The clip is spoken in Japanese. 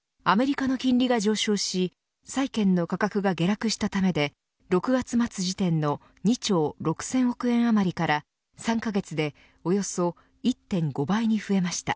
アメリカの金利が上昇し債券の価格が下落したためで６月末時点の２兆６０００億円余りから３カ月でおよそ１．５倍に増えました。